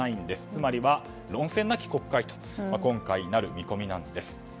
つまりは論戦なき国会と今回なる見込みなんです。